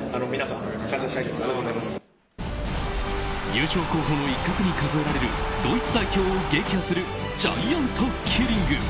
優勝候補の一角に数えられるドイツ代表を撃破するジャイアントキリング。